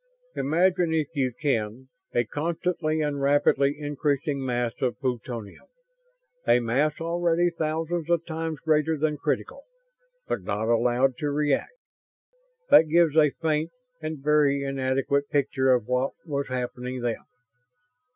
Imagine, if you can, a constantly and rapidly increasing mass of plutonium a mass already thousands of times greater than critical, but not allowed to react! That gives a faint and very inadequate picture of what was happening then.